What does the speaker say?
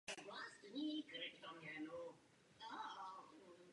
U vrcholu kopce Tábor je výrobní provozní zahrada.